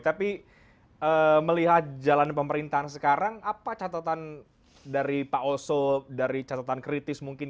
tapi melihat jalan pemerintahan sekarang apa catatan dari pak oso dari catatan kritis mungkin